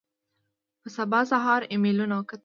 په سبا سهار ایمېلونه وکتل.